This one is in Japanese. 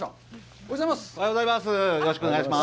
おはようございます。